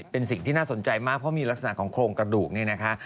เป็นสิ่งที่น่าสนใจมากเพราะมีลักษณะของโครงกระดูกนี่นะคะ